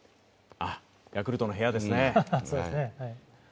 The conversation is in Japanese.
ヤクルトの部屋ですね。